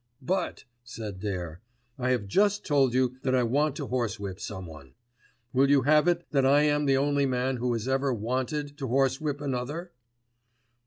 "But," said Dare, "I have just told you that I want to horsewhip someone. Will you have it that I am the only man who has ever wanted to horsewhip another?"